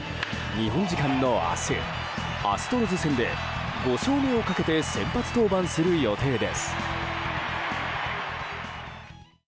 日本時間の明日アストロズ戦で５勝目をかけて先発登板する予定です。